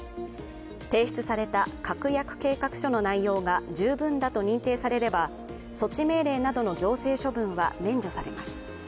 提出された確約計画書の内容が十分だと認定されれば措置命令などの行政処分は免除されます。